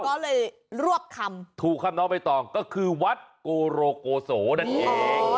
คือรวบคำถูกคำนอกไม่ต้องก็คือวัดโกโรโกโสนั่นเอง